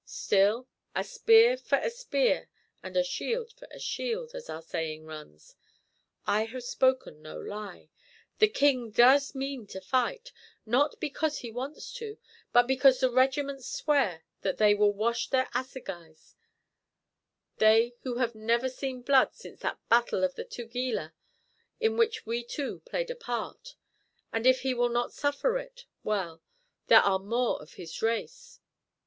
"Still, 'a spear for a spear and a shield for a shield,' as our saying runs. I have spoken no lie. The king does mean to fight, not because he wants to, but because the regiments swear that they will wash their assegais, they who have never seen blood since that battle of the Tugela in which we two played a part; and if he will not suffer it, well, there are more of his race!